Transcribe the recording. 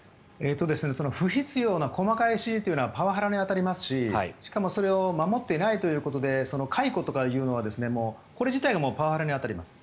不必要な細かい指示というのはパワハラに当たりますししかもそれを守っていないということで解雇というのはこれ自体がパワハラに当たります。